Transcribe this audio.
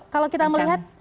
kalau kita melihat